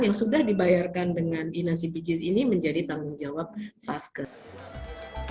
yang sudah dibayarkan dengan inasipijis ini menjadi tanggung jawab vaskes